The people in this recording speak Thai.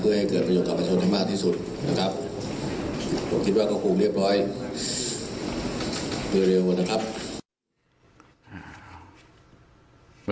เร็วว่าต่างครับ